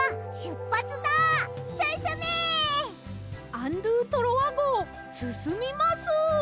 アン・ドゥ・トロワごうすすみます！